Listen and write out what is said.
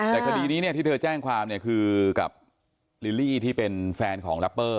แต่คดีนี้เนี่ยที่เธอแจ้งความเนี่ยคือกับลิลลี่ที่เป็นแฟนของแรปเปอร์